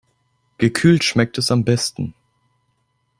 Gekühlt schmeckt es am besten.